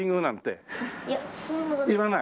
いやそんな。